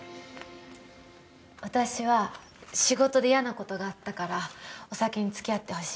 私は仕事で嫌な事があったからお酒に付き合ってほしい。